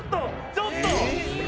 ちょっと！」